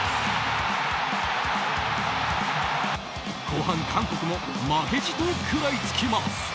後半、韓国も負けじと食らいつきます。